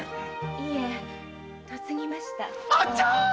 いいえ嫁ぎました。